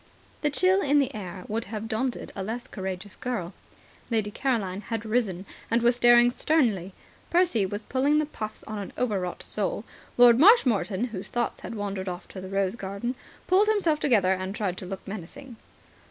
The chill in the air would have daunted a less courageous girl. Lady Caroline had risen, and was staring sternly. Percy was puffing the puffs of an overwrought soul. Lord Marshmoreton, whose thoughts had wandered off to the rose garden, pulled himself together and tried to look menacing.